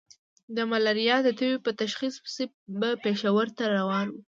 د ملاريا د تبې په تشخيص پسې به پېښور ته روان وو.